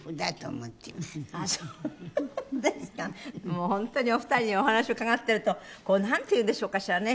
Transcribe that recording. もう本当にお二人にお話を伺ってるとこうなんていうんでしょうかしらね